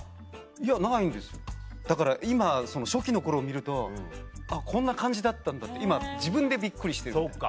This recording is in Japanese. いやないんですだから今初期の頃を見るとこんな感じだったんだって今自分でびっくりしてる。